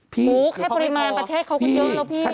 พูดแค่ปริมาณประเทศเขาคือเยอะแล้ว